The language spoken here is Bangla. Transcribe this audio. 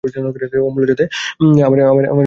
অমূল্য চলে যেতেই আমার বুক দমে গেল।